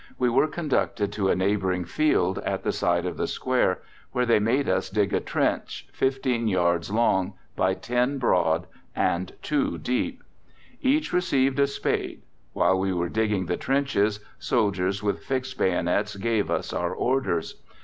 We were conducted to a neighbouring field at the side of the Square, where they made us dig a trench 15 yards long by 10 broad and 2 deep. Each received a spade. While we were digging the trenches soldiers with fixed bayonets gave us our orders.